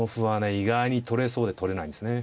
意外に取れそうで取れないんですね。